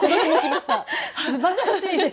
すばらしいです！